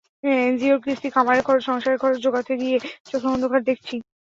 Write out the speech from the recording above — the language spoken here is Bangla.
এনজিওর কিস্তি, খামারের খরচ, সংসারের খরচ জোগাতে গিয়ে চোখে অন্ধকার দেখছি।